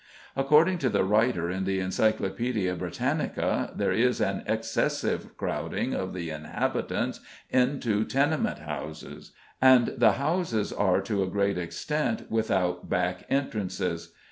According to the writer in the "Encyclopædia Britannica," there is an excessive crowding of the inhabitants into tenement houses, and the houses are to a great extent without back entrances.